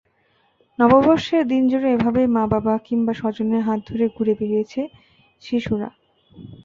তোর ভাই যখন আমার হাত ভেঙ্গেছে তখন কেঁদেছিস?